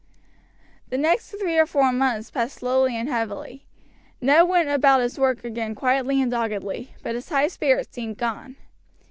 The next three or four months passed slowly and heavily. Ned went about his work again quietly and doggedly; but his high spirits seemed gone.